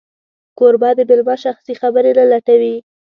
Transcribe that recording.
کوربه د مېلمه شخصي خبرې نه لټوي.